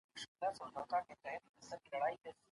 که باران وي نو قمري نشي الوتلی.